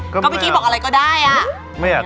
ก็พี่กี้บอกอะไรก็ได้